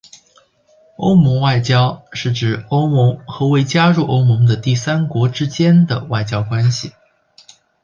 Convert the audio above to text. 欧盟外交是指欧盟和未加入欧盟的第三国之间的外交关系。